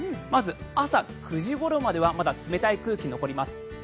まず、朝９時ごろまではまだ冷たい空気が残ります。